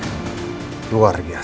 jika horusnya lebih keras